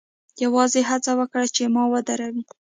یوازې هڅه وکړه چې ما ودروې